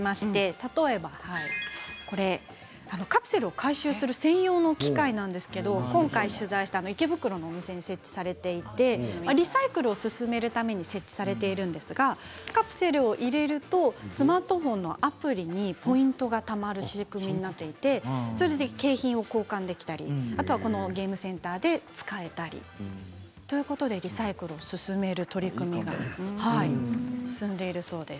例えばカプセルを回収する専用の機械なんですが今回、取材した池袋のお店に設置されていてリサイクルを進めるために設置されているんですがカプセルを入れるとスマートフォンのアプリにポイントがたまる仕組みになっていてポイントは、景品と交換できたりゲームセンターで使えたりということでリサイクルを進める取り組みが行われています。